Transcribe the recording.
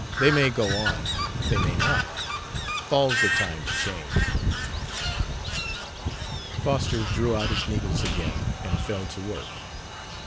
They may go on; they may not. Fall's the time to change." Foster drew out his needles again and fell to work.